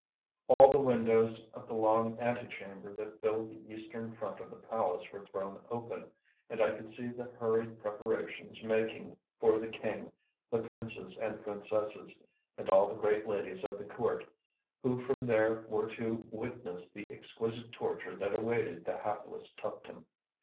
All the windows of the long antechamber that filled the eastern front of the palace were thrown open, and I could see the hurried preparations making for the king, the princes and princesses, and all the great ladies of the court, who from there were to witness the exquisite torture that awaited the hapless Tuptim.